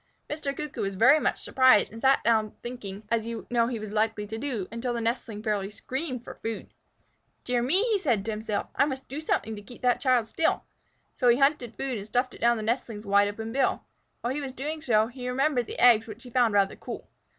Mr. Cuckoo was much surprised, and sat there thinking, as you know he was likely to do, until the nestling fairly screamed for food. "Dear me!" said he to himself, "I must do something to keep that child still." So he hunted food and stuffed it down the nestling's wide open bill. While he was doing so, he remembered the eggs, which he found rather cool.